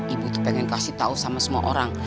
ibu tuh pengen kasih tau sama semua orang